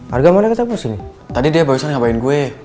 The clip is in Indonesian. arga mau liat aku sih tadi dia barusan ngapain gue